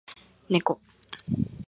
ねこ